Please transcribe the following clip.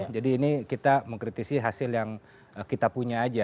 jadi ini kita mengkritisi hasil yang kita punya aja